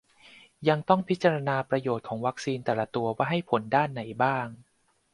ยังต้องพิจารณาประโยชน์ของวัคซีนแต่ละตัวว่าให้ผลด้านไหนบ้าง